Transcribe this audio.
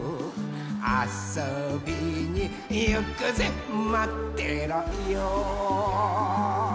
「あそびにいくぜまってろよ！」